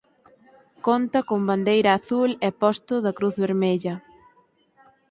Conta con Bandeira Azul e posto da Cruz Vermella.